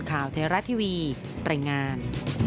ข่าวเทราะทีวีตรายงาน